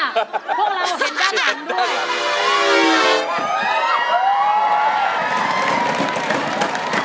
พวกเราเห็นด้านหลังด้วย